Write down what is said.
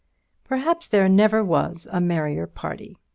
Perhaps there never was a merrier party.